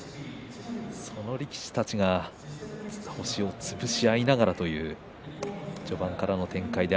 その力士たちが星をつぶし合いながらという序盤からの展開です。